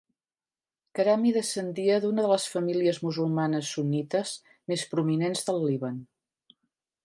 Karami descendia d'una de les famílies musulmanes sunnites més prominents del Líban.